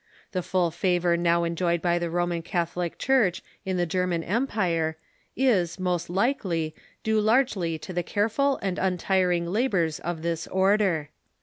The full favor now enjoyed by the Roman Catholic Church in the German empire is, most likely, due largely to the cai eful and untiring labors of this order.